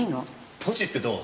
ポチってどう？